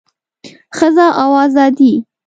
ښځه او ازادي